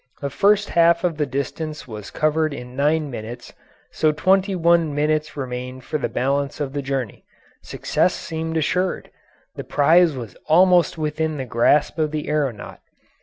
The first half of the distance was covered in nine minutes, so twenty one minutes remained for the balance of the journey: success seemed assured; the prize was almost within the grasp of the aeronaut.